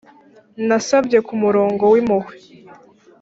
nasabye kumurongo w'impuhwe